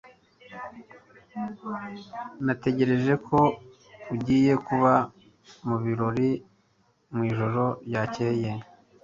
Natekereje ko ugiye kuba mubirori mwijoro ryakeye.